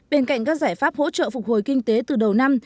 bên cạnh các giải pháp hỗ trợ phục hồi kinh tế từ đầu năm